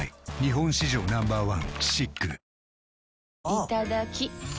いただきっ！